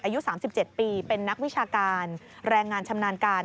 อายุ๓๗ปีเป็นนักวิชาการแรงงานชำนาญการ